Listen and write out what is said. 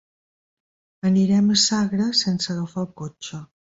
Anirem a Sagra sense agafar el cotxe.